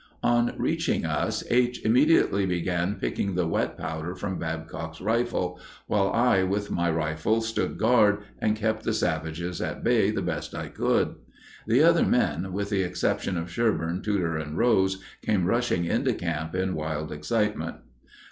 On reaching us, Aich immediately began picking the wet powder from Babcock's rifle, while I with my rifle stood guard and kept the savages at bay the best I could. (The other men, with the exception of Sherburn, Tudor, and Rose, came rushing into camp in wild excitement.)